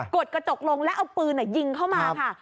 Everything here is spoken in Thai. ดกระจกลงแล้วเอาปืนยิงเข้ามาค่ะ